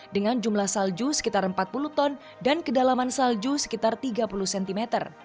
dengan jumlah salju sekitar empat puluh ton dan kedalaman salju sekitar tiga puluh cm